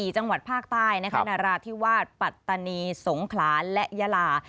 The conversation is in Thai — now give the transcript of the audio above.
๔จังหวัดภาคใต้นราธิวาสปัตตานีสงขลาและยาลา